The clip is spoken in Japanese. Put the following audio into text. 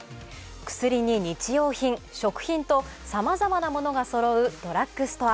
薬に日用品、食品とさまざまなものがそろうドラッグストア。